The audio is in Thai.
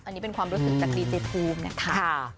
อันนี้เป็นความรู้สึกตะกรีย์เจภูมินะครับ